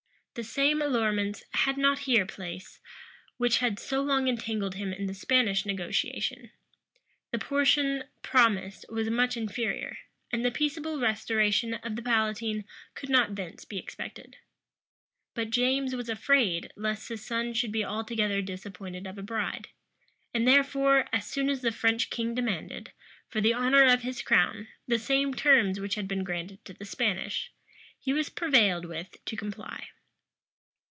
[*] The same allurements had not here place, which had so long entangled him in the Spanish negotiation: the portion promised was much inferior; and the peaceable restoration of the palatine could not thence be expected. But James was afraid lest his son should be altogether disappointed of a bride; and therefore, as soon as the French king demanded, for the honor of his crown, the same terms which had been granted to the Spanish, he was prevailed with to comply.